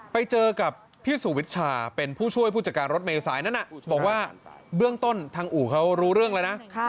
ไปเจอกับพี่สุวิชาเป็นผู้ช่วยผู้จัดการรถเมษายนั้นบอกว่าเบื้องต้นทางอู่เขารู้เรื่องแล้วนะ